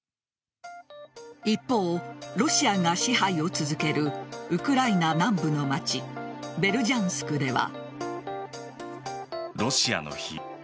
一方、ロシアが支配を続けるウクライナ南部の街ベルジャンスクでは。